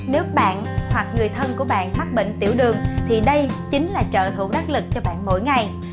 nếu bạn hoặc người thân của bạn mắc bệnh tiểu đường thì đây chính là trợ thủ đắc lực cho bạn mỗi ngày